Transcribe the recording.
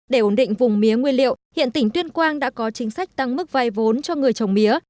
để ổn định vùng mía nguyên liệu hiện tỉnh tuyên quang đã có chính sách tăng mức vay vốn cho người trồng mía